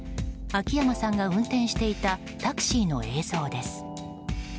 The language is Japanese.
秋山さんが運転していたタクシーの映像です。